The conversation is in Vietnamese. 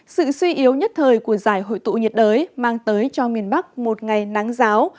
sự suy yếu nhất thời của giải hội tụ nhiệt đới mang tới cho miền bắc một ngày nắng giáo